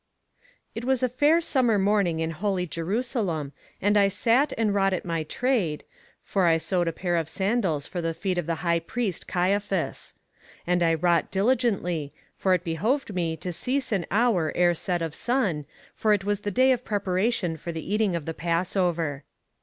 "'It was a fair summer morning in holy Jerusalem, and I sat and wrought at my trade, for I sewed a pair of sandals for the feet of the high priest Caiaphas. And I wrought diligently, for it behoved me to cease an hour ere set of sun, for it was the day of preparation for the eating of the Passover.